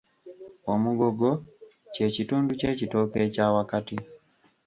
Omugogo, kye kitundu ky'ekitooke ekya wakati.